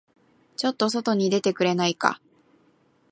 ちょっと外に出てくれないか。